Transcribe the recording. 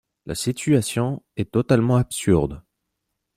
La situation est totalement absurde.